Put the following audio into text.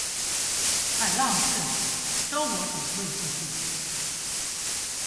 海浪会来，生活总会继续